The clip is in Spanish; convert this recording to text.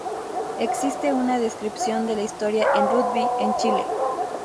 Existe una descripción de la historia en Rugby en Chile.